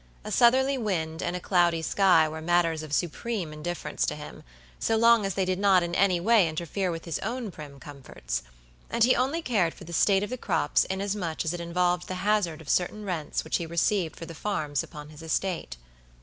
A southerly wind and a cloudy sky were matters of supreme indifference to him, so long as they did not in any way interfere with his own prim comforts; and he only cared for the state of the crops inasmuch as it involved the hazard of certain rents which he received for the farms upon his estate.